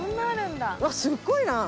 うわすっごいな。